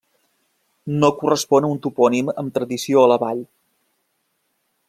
No correspon a un topònim amb tradició a la vall.